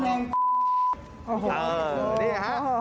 อย่างนี้